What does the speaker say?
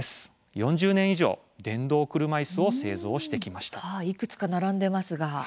４０年以上電動車いすを製造してきました。